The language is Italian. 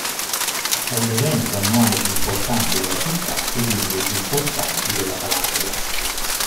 È l'evento annuale più importante della città ed uno dei più importanti della Calabria.